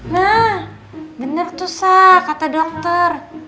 nah bener tuh kata dokter